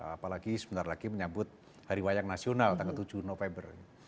apalagi sebentar lagi menyambut hari wayang nasional tanggal tujuh november